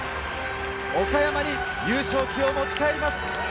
岡山に優勝旗を持ち帰ります。